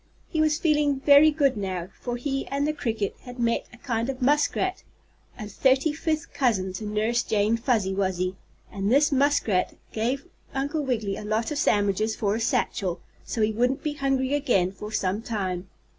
He was feeling very good now, for he and the cricket had met a kind muskrat, a thirty fifth cousin to Nurse Jane Fuzzy Wuzzy, and this muskrat gave Uncle Wiggily a lot of sandwiches for his satchel, so he wouldn't be hungry again for some time.